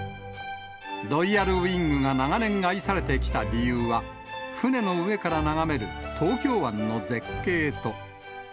ロイヤルウイングが長年愛されてきた理由は、船の上から眺める東京湾の絶景と。